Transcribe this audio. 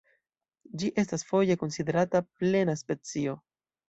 Ĝi estas foje konsiderata plena specio.